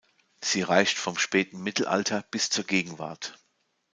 Sie reicht vom Spätmittelalter bis zur Gegenwart.